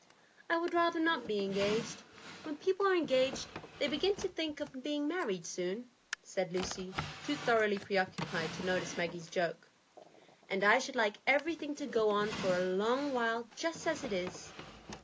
"I would rather not be engaged. When people are engaged, they begin to think of being married soon," said Lucy, too thoroughly preoccupied to notice Maggie's joke; "and I should like everything to go on for a long while just as it is.